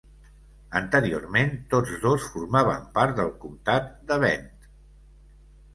Anteriorment, tots dos formaven part del comtat de Bent.